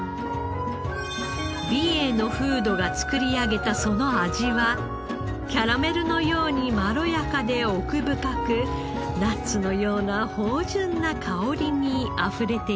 美瑛の風土が作り上げたその味はキャラメルのようにまろやかで奥深くナッツのような芳醇な香りにあふれていました。